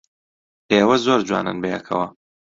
ئێوە زۆر جوانن بەیەکەوە.